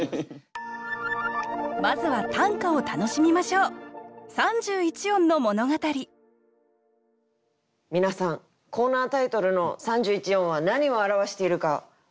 まずは短歌を楽しみましょう皆さんコーナータイトルの「三十一音」は何を表しているか分かりますか？